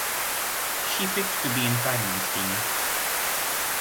She picked to be in Pagny's team.